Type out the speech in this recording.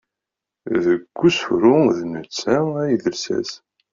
Deg usefru d netta ay d lsas.